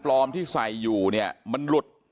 เป็นมีดปลายแหลมยาวประมาณ๑ฟุตนะฮะที่ใช้ก่อเหตุ